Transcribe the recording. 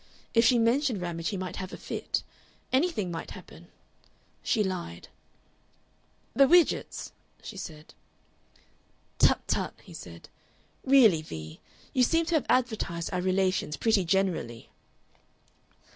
If she mentioned Ramage he might have a fit anything might happen. She lied. "The Widgetts," she said. "Tut, tut!" he said. "Really, Vee, you seem to have advertised our relations pretty generally!"